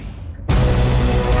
gak ada apa